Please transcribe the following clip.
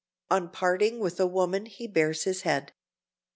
On parting with a woman he bares his head.